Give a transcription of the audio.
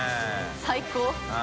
最高。